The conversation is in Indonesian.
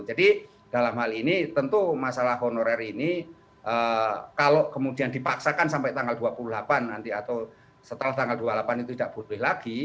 jadi dalam hal ini tentu masalah honorer ini kalau kemudian dipaksakan sampai tanggal dua puluh delapan nanti atau setelah tanggal dua puluh delapan itu tidak boleh lagi